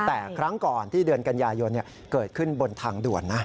แต่ครั้งก่อนที่เดือนกันยายนเกิดขึ้นบนทางด่วนนะ